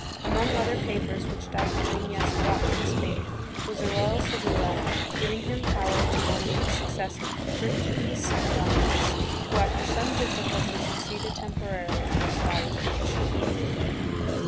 Among other papers which Dasmarinas brought from Spain was a royal cedula giving him power to nominate his successor, who proved to be his son, Don Luis, who after some difficulty succeeded temporarily to his father's position.